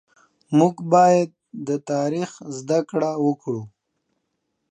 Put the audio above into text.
مونږ بايد د تاريخ زده کړه وکړو